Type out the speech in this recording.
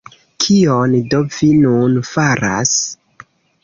Kion do vi nun faras?